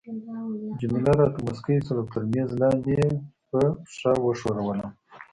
جميله راته مسکی شول او تر میز لاندي يې په پښه وښورولم.